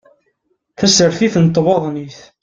Tasertit n tbaḍnit